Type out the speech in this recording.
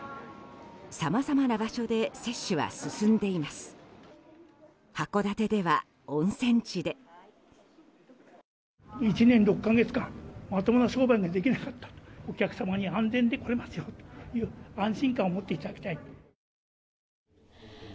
さまざまな場所で接種は進んでいます。